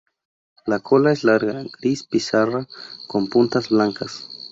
La cola es larga, gris pizarra con puntas blancas.